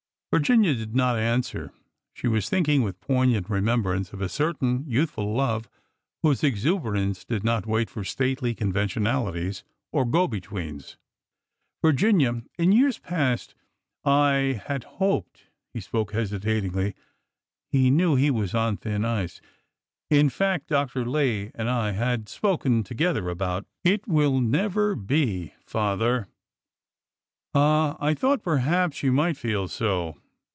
Virginia did not answer. She was thinking with poig nant remembrance of a certain youthful love whose ex uberance did not wait for stately conventionalities or go betweens. '' Virginia, in years past I— had hoped—" he spoke hesitatingly— he knew he was on thin ice — in fact, Dr> Lay and I— had spoken together about—" 382 ORDER NO. 11 '' It will never be, father/' Ah ! I thought perhaps you might feel so.